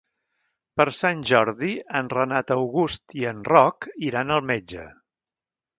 Per Sant Jordi en Renat August i en Roc iran al metge.